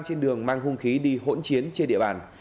trên đường mang hung khí đi hỗn chiến trên địa bàn